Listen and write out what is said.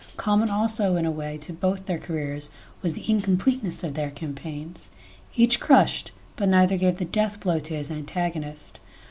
..Common also in a way to both their careers was the incompleteness of their campaigns. Each crushed, but neither gave the death blow to his antagonist.